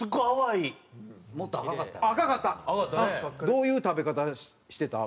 どういう食べ方してた？